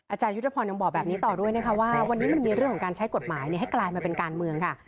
ยุทธพรยังบอกแบบนี้ต่อด้วยนะคะว่าวันนี้มันมีเรื่องของการใช้กฎหมายให้กลายมาเป็นการเมืองค่ะ